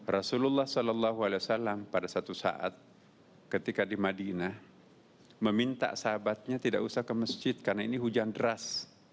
rasulullah saw pada satu saat ketika di madinah meminta sahabatnya tidak usah ke masjid karena ini hujan deras